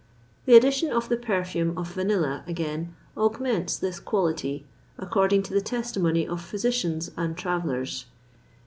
The addition of the perfume of vanilla, again, augments this quality, according to the testimony of physicians and travellers.